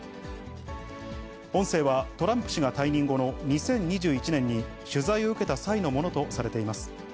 音声はトランプ氏が退任後の、２０２１年に取材を受けた際のものとされています。